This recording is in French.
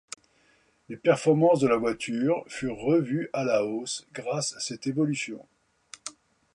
Les performances de la voiture furent revues à la hausse grâce à cette évolution.